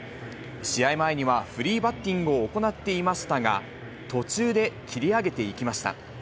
試合前にはフリーバッティングを行っていましたが、途中で切り上げていきました。